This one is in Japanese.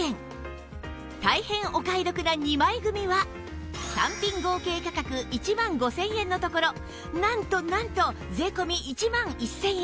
大変お買い得な２枚組は単品合計価格１万５０００円のところなんとなんと税込１万１０００円